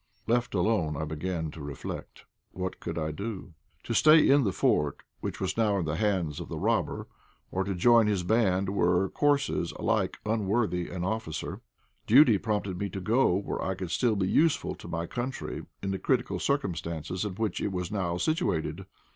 Left alone, I began to reflect. What could I do? To stay in the fort, which was now in the hands of the robber, or to join his band were courses alike unworthy of an officer. Duty prompted me to go where I could still be useful to my country in the critical circumstances in which it was now situated.